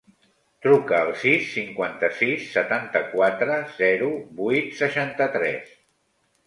Truca al sis, cinquanta-sis, setanta-quatre, zero, vuit, seixanta-tres.